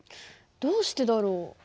どうしてだろう？